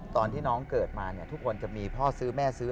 ตอนที่น้องเกิดมาเนี่ยทุกคนจะมีพ่อซื้อแม่ซื้อ